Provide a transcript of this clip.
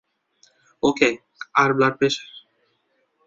ওকে, আর ব্লাড পেশার?